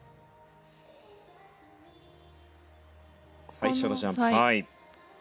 最初のジャンプ。